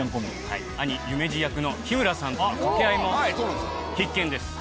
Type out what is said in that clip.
兄夢二役の日村さんとの掛け合いも必見です。